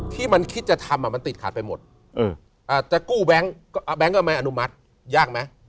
ที่มันคิดจะทำติดขาดไปหมดตั้งแต่โกบแบลงก็ไม่อนุมัติยากไหม